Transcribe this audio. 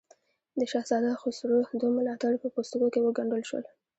د شهزاده خسرو دوه ملاتړي په پوستکو کې وګنډل شول.